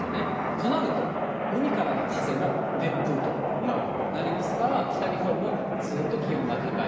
となると、海からの風も熱風となりますから、北日本もずっと気温が高い。